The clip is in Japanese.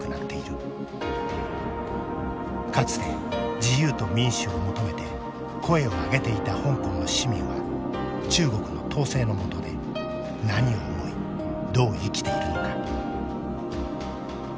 かつて自由と民主を求めて声を上げていた香港の市民は中国の統制のもとで何を思いどう生きているのか。